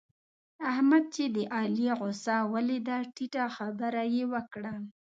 احمد چې د علي غوسه وليده؛ ټيټه خبره يې وکړه.